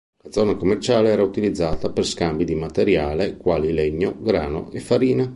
La zona commerciale era utilizzata per scambi di materiale quali legno, grano e farina.